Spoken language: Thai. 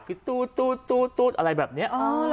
คือตู้ตู้ตู้ตู้อะไรแบบนี้